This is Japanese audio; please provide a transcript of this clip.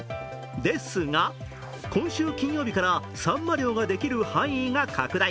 ですが、今週金曜日からさんま漁ができる範囲が拡大。